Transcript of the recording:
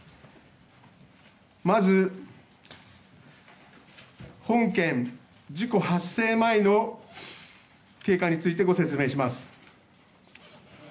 まず、本件事故発生前の経過についてご説明します。